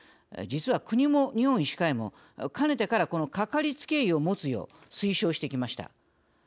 実は、国も、日本医師会もかねてからこのかかりつけ医を持つよう推奨してきました。